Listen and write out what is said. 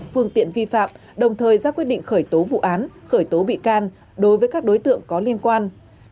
phương tiện vi phạm đồng thời ra quyết định khởi tố vụ án khởi tố bị can đối với các đối tượng có liên quan